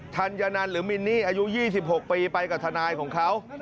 ัญญนันหรือมินนี่อายุ๒๖ปีไปกับทนายของเขา